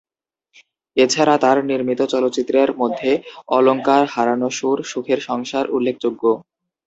এছাড়া তার নির্মিত চলচ্চিত্রের মধ্যে অলংকার, হারানো সুর, সুখের সংসার উল্লেখযোগ্য।